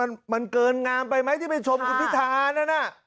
มันเกินงามไปไหมที่ไปชมคุณพิธานั่นน่ะ